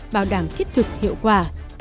bảo đảm thiết thực hiệu quả